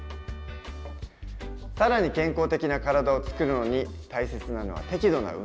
更に健康的な体をつくるのに大切なのは適度な運動。